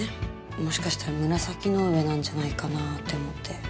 もしかしたら紫の上なんじゃないかなって思って。